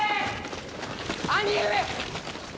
兄上。